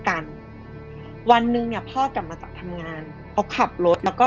กันวันหนึ่งเนี่ยพ่อกลับมาจากทำงานเขาขับรถแล้วก็